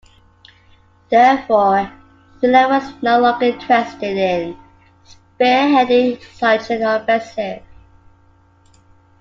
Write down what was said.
Therefore, Finland was no longer interested in spearheading such an offensive.